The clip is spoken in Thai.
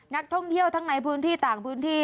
นักท่องเที่ยวทั้งในพื้นที่ต่างพื้นที่